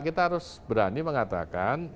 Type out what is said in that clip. kita harus berani mengatakan